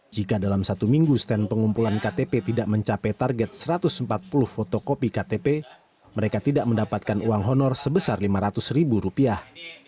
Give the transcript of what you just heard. jika dalam satu minggu stand pengumpulan ktp tidak mencapai target satu ratus empat puluh fotokopi ktp mereka tidak mendapatkan uang honor sebesar lima ratus ribu rupiah